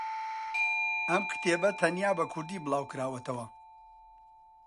ئەم کتێبە تەنیا بە کوردی بڵاوکراوەتەوە.